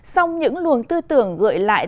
xong những luồng tư tưởng gửi lại